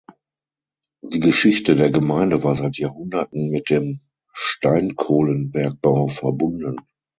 Die Geschichte der Gemeinde war seit Jahrhunderten mit dem Steinkohlenbergbau verbunden.